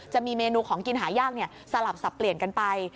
จะมีเมนูของกินหายากสลับสับเปลี่ยนกันไป